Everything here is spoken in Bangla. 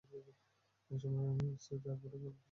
এ সময় স্মৃতি আরেকবার তাকে পশ্চাতে নিয়ে যায়।